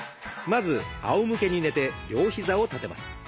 まずあおむけに寝て両膝を立てます。